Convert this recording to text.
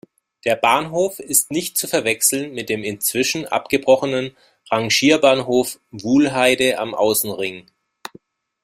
Der Bahnhof ist nicht zu verwechseln mit dem inzwischen abgebrochenen Rangierbahnhof Wuhlheide am Außenring.